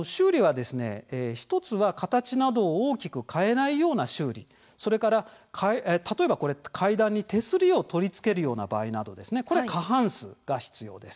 形などを大きく変えないような修理の場合例えば階段に手すりを取り付けるというような場合は過半数が必要です。